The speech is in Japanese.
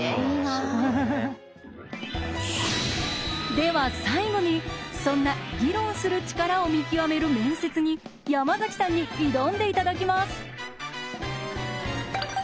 では最後にそんな議論する力を見極める面接に山崎さんに挑んでいただきます。